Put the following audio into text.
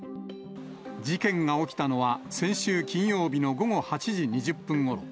事件が起きたのは先週金曜日の午後８時２０分ごろ。